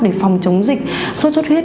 để phòng chống dịch xuất huyết